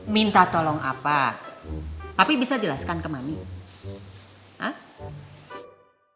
minta tolong apa papi bisa jelaskan ke mami hah